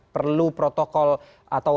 perlu protokol atau